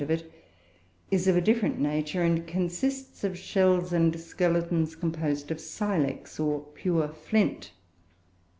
of it is of a different nature, and consists of shells and skeletons composed of silex, or pure flint.